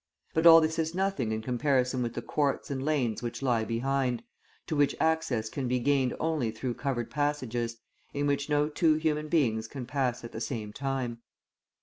But all this is nothing in comparison with the courts and lanes which lie behind, to which access can be gained only through covered passages, in which no two human beings can pass at the same time.